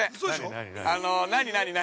◆何何、何？